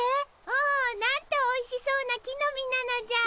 おおなんとおいしそうな木の実なのじゃ。